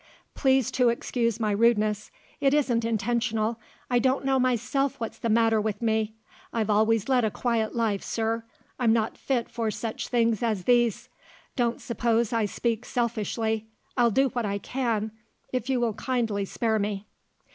Please to excuse my rudeness: it isn't intentional I don't know myself what's the matter with me. I've always led a quiet life, sir; I'm not fit for such things as these. Don't suppose I speak selfishly. I'll do what I can, if you will kindly spare me."